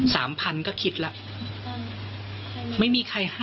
สามพันก็คิดแล้วไม่มีใครให้